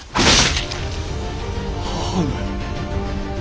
母上。